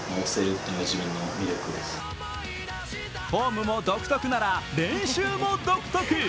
フォームも独特なら練習も独特。